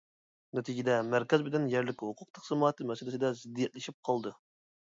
نەتىجىدە مەركەز بىلەن يەرلىك ھوقۇق تەقسىماتى مەسىلىسىدە زىددىيەتلىشىپ قالدى.